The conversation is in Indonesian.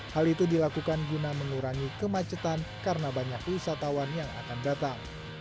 hal itu dilakukan guna mengurangi kemacetan karena banyak wisatawan yang akan datang